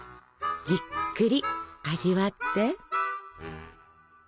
じっくり味わって。